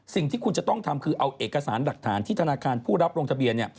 สิ่งที่คุณจะต้องทำคือเอาเอกสารหลักฐานที่ธนาคารผู้รับลงทะเบียนเนี่ย